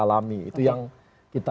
alami itu yang kita